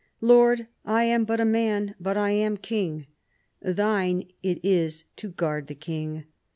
" Lord, I am but a man, but I am king. Thine it is to guard the king.